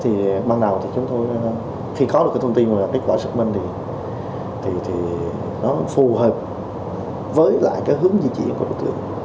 thì ban đầu thì chúng tôi khi có được cái thông tin và kết quả xác minh thì nó phù hợp với lại cái hướng di chuyển của đối tượng